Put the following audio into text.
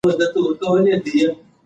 ښوونځې تللې مور د پاک تشناب کارول ښيي.